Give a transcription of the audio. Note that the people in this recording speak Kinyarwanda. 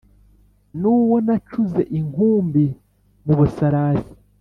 n'uwo nacuze inkumbi mu busarasi;